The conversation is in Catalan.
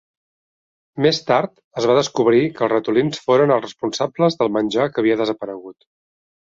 Més tard es va descobrir que els ratolins foren els responsables del menjar que havia desaparegut.